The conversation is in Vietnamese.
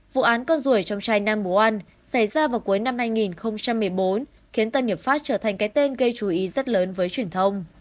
vụ án con ruồi trong trai nam bố oan xảy ra vào cuối năm hai nghìn một mươi bốn khiến tân hiệp pháp trở thành cái tên gây chú ý rất lớn với truyền thông